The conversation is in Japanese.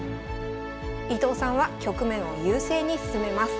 伊藤さんは局面を優勢に進めます。